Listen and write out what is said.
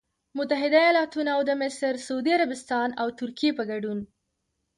متحدوایالتونو او د مصر، سعودي عربستان او ترکیې په ګډون